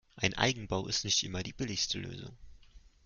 Ein Eigenbau ist nicht immer die billigste Lösung.